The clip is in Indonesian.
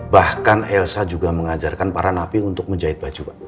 bahkan elsa juga mengajarkan para napi untuk menjahit baju pak